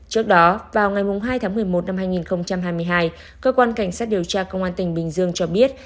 trước đó vào ngày hai tháng một mươi một năm hai nghìn hai mươi hai cơ quan cảnh sát điều tra công an tp hcm cho biết